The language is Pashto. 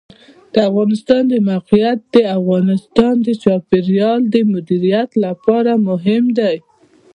د افغانستان د موقعیت د افغانستان د چاپیریال د مدیریت لپاره مهم دي.